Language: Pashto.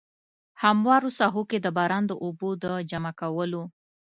هموارو ساحو کې د باران د اوبو د جمع کولو.